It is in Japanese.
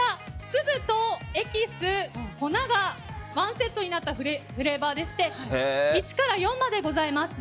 粒とエキス、粉がワンセットになったフレーバーでして１から４までございます。